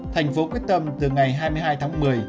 thành phố quyết tâm từ ngày hai mươi hai tháng một mươi